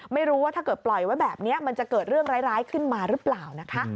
ไม่รู้ว่าถ้าเกิดปล่อยไว้แบบนี้มันจะเกิดเรื่องร้ายขึ้นมาหรือเปล่านะคะ